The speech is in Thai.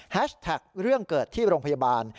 แท็กเรื่องเกิดที่โรงพยาบาล